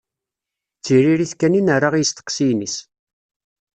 D tiririt kan i nerra i yesteqsiyen-is.